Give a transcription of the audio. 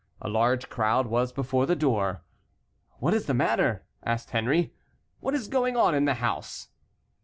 A large crowd was before the door. "What is the matter?" asked Henry. "What is going on in the house?"